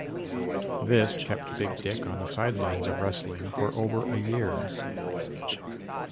This kept Big Dick on the sidelines of wrestling for over a year.